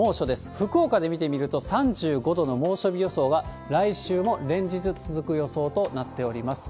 福岡で見てみると、３５度の猛暑日予想は来週も連日続く予想となっております。